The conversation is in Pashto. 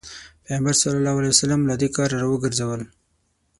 پيغمبر ص له دې کاره راوګرځول.